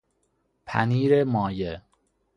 پنیر مایه